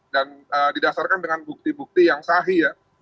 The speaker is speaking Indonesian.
dan didasarkan dengan bukti bukti yang sahih ya